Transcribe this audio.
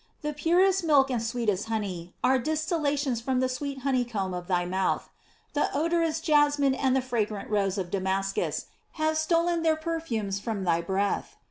The purest milk and sweetest honey are distillations from the sweet honeycomb of thy mouth. The odorous jasmin and the fragrant rose of Damascus have stolen their perfumes from thy breath.